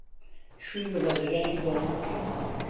شووی بە بازرگانێکی دەوڵەمەند کرد.